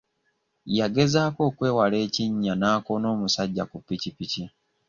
Yagezaako okwewala ekinnya n'akoona omusajja ku pikipiki.